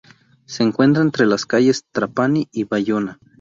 Se encuentra entre las calles Trapani y Bayona.